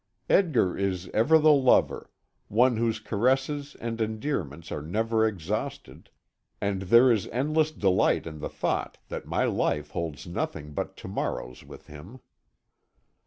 Edgar is ever the lover, one whose caresses and endearments are never exhausted, and there is endless delight in the thought that my life holds nothing but to morrows with him.